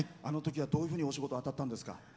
あの時はどういうふうにお仕事あたったんですか？